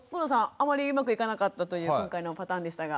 あまりうまくいかなかったという今回のパターンでしたが。